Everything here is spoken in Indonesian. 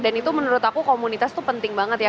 dan itu menurut aku komunitas itu penting banget ya